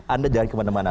anda jangan kemana mana